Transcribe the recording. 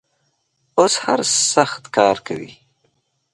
اوس هر سخت کار کوي.